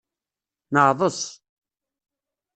Neɛḍes.